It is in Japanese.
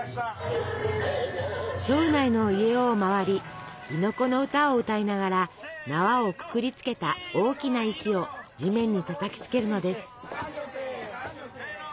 町内の家を回り「亥の子の歌」を歌いながら縄をくくりつけた大きな石を地面にたたきつけるのです。